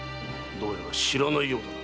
どうやら知らないようだな？